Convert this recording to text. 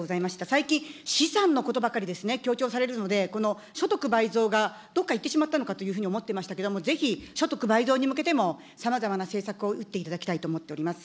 最近、資産のことばかり強調されるので、この所得倍増がどこかいってしまったのかと思っていましたけれども、ぜひ所得倍増に向けても、さまざまな政策を打っていただきたいと思っております。